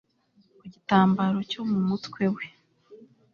ku gitambaro cyo mu mutwe we